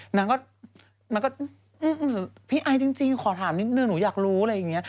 นางก็นางก็พี่ไอจริงขอถามนิดนึงหนูอยากรู้อะไรอย่างนี้